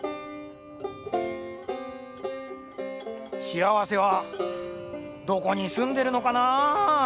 しあわせはどこにすんでるのかなぁ。